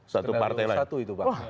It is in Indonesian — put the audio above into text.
satu partai lain